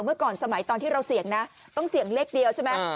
เมื่อก่อนสมัยตอนที่เราเสี่ยงนะต้องเสี่ยงเลขเดียวใช่ไหม